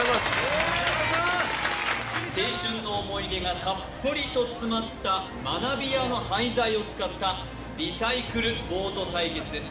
青春の思い出がたっぷりと詰まった学びやの廃材を使ったリサイクルボート対決です。